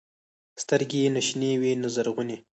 سترګې يې نه شنې وې نه زرغونې.